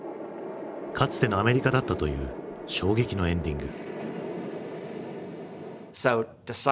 かつてのアメリカだったという衝撃のエンディング。